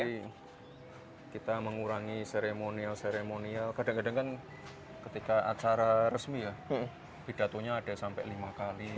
jadi kita mengurangi seremonial seremonial kadang kadang kan ketika acara resmi ya pidatonya ada sampai lima kali